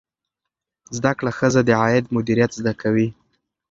زده کړه ښځه د عاید مدیریت زده کوي.